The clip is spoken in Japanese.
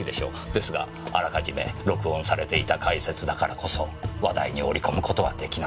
ですがあらかじめ録音されていた解説だからこそ話題に織り込む事は出来なかった。